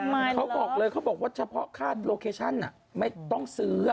เขาบอกเลยเขาบอกว่าเฉพาะค่าโลเคชั่นไม่ต้องซื้อ